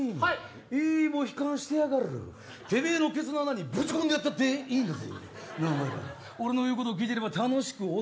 いいモヒカンしてやがるてめえのケツの穴にぶち込んでやったってええんやぞ。